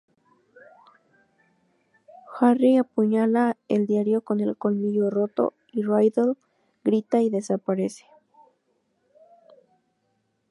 Harry apuñala el diario con el colmillo roto y Riddle grita y desaparece.